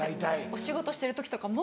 お仕事してる時とかも。